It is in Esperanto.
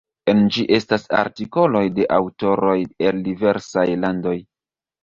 En ĝi estas artikoloj de aŭtoroj el diversaj landoj.